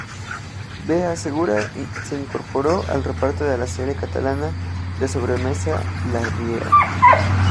Bea Segura se incorporó al reparto de la serie catalana de sobremesa "La Riera".